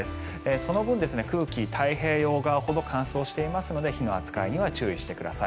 その分、空気太平洋側ほど乾燥していますので火の扱いには注意してください。